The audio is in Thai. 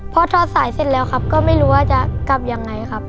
พอทอดสายเสร็จแล้วครับก็ไม่รู้ว่าจะกลับยังไงครับ